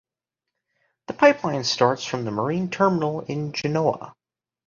The pipeline starts from the marine terminal in Genoa.